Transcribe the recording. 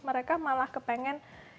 mereka malah kepengen